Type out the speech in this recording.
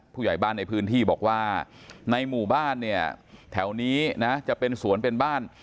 ผู้ใหญ่บ้านในพื้นที่บอกว่าในหมู่บ้านเนี่ยแถวนี้นะจะเป็นสวนเป็นบ้าน